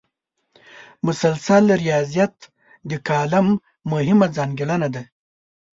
مسلسل ریاضت د کالم مهمه ځانګړنه ده.